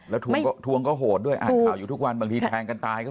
แล้วทวงก็โหดด้วยอ่านข่าวอยู่ทุกวันบางทีแทงกันตายก็